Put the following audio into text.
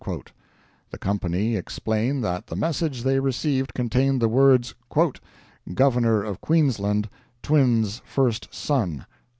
The Company explain that the message they received contained the words "Governor of Queensland, TWINS FIRST SON."